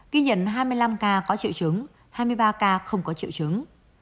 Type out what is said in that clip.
ghi nhận hai mươi năm ca có triệu chứng hai mươi ba ca không có triệu chứng